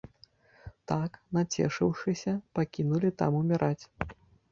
Так, нацешыўшыся, пакінулі там уміраць.